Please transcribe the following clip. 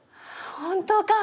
本当か？